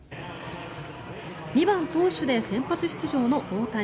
２番投手で先発出場の大谷。